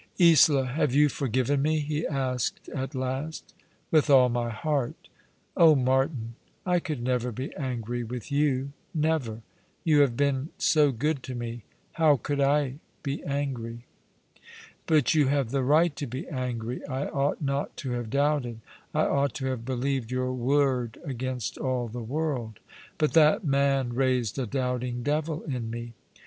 " Isola, have you forgiven me ?" he asked at last. " With all my heart. Oh, Martin, I could never be angry with you — never. You have been so good to me. How could I be angry?'* "But you have the right to be angry. I ought not to have doubted. I ought to have believed your word against all the world ; but that man raised a doubting devil in me.